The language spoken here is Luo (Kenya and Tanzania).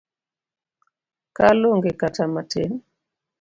Kal onge kata matin